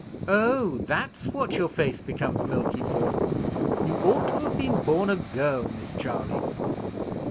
"Oh! that's what your face becomes milky for? You ought to have been born a girl, Miss Charley.